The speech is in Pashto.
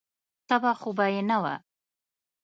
تبه خو به دې نه وه.